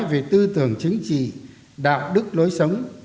về tư tưởng chính trị đạo đức lối sống